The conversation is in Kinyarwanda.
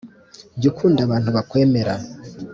jya ukunda abantu bakwemera